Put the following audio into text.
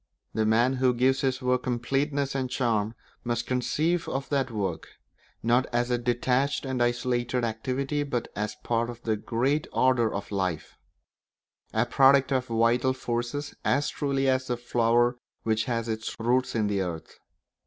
The man who gives his work completeness and charm must conceive of that work, not as a detached and isolated activity, but as part of the great order of life; a product of the vital forces as truly as the flower which has its roots in the earth.